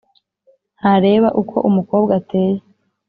ntareba uko umukobwa ateye